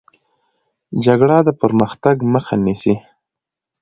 جګړه د پرمختګ مخه نیسي